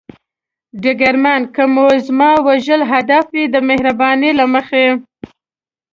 ډګرمن: که مو زما وژل هدف وي، د مهربانۍ له مخې.